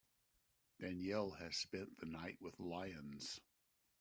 Danielle has spent the night with lions.